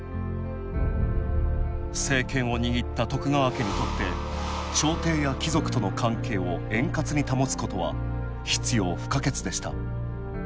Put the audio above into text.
政権を握った徳川家にとって朝廷や貴族との関係を円滑に保つことは必要不可欠でした。